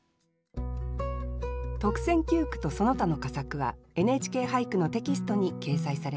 特選九句とその他の佳作は「ＮＨＫ俳句」のテキストに掲載されます。